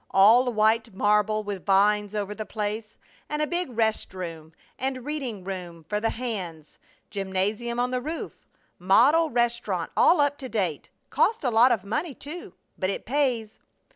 All white marble, with vines over the place, and a big rest room and reading room for the hands, gymnasium on the roof, model restaurant, all up to date. Cost a lot of money, too, but it pays!